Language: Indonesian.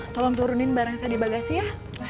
tolong turunin barang saya di bagasi ya